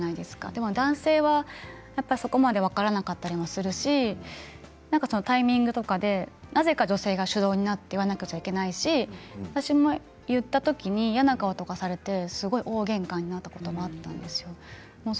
でも男性はそこまで分からなかったりするしタイミングとかでなぜか女性が主導になって言わなければいけないし私も言ったときに嫌な顔されて大げんかになったことがありました。